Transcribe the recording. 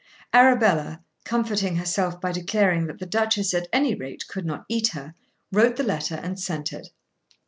Arabella, comforting herself by declaring that the Duchess at any rate could not eat her, wrote the letter and sent it.